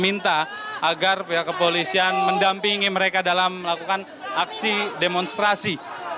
minta agar pihak kepolisian mendampingi mereka dalam melakukan aksi demonstrasi